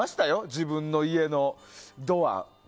自分の家のドア。